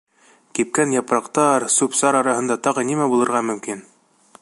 Кипкән япраҡтар, сүп-сар араһында тағы нимә булырға мөмкин?